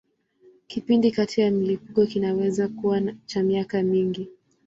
Kipindi kati ya milipuko kinaweza kuwa cha miaka mingi.